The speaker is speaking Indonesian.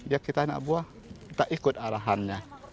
ya kita anak buah kita ikut arahannya